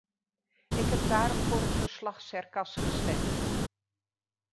Ik heb daarom voor het verslag-Cercas gestemd.